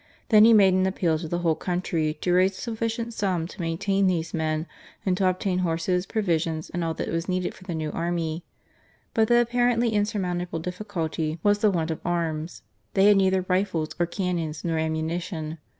Then he made an appeal to the whole country to raise a sufficient sum to main tain these men and to obtain horses, provisions, and all that was needful for the new army. But the apparently insurmountable difficulty was the want of arms, they had neither rifles or cannon nor ammuni tion.